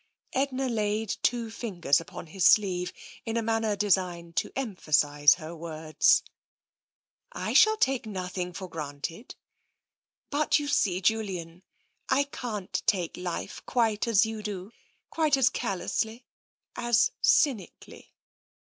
Edna laid two fingers upon his sleeve in a manner designed to emphasise her words. " I shall take nothing for granted. But you see, Julian, I can't take life quite as you do — quite as callously, as cynically.